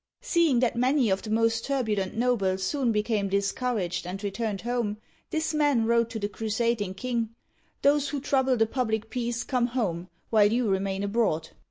Seeing that many of the most turbulent nobles soon became discouraged and returned home, this man wrote to the crusading king :" Those who trouble the public peace come home, while you remain abroad.